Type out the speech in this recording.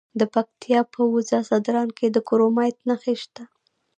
د پکتیا په وزه ځدراڼ کې د کرومایټ نښې شته.